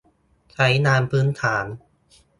ใช้งานพื้นฐาน